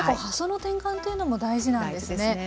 発想の転換というのも大事なんですね。